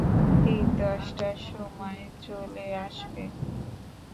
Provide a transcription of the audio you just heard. ঠিক দশটার সময় চলে আসবে।